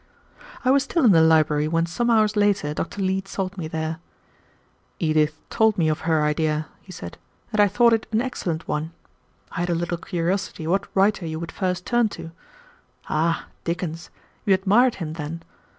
I was still in the library when some hours later Dr. Leete sought me there. "Edith told me of her idea," he said, "and I thought it an excellent one. I had a little curiosity what writer you would first turn to. Ah, Dickens! You admired him, then!